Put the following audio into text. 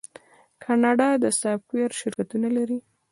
کاناډا د سافټویر شرکتونه لري.